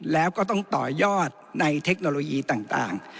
แล้วก็ต้องต่อยอดในเทคโนโลยีต่าง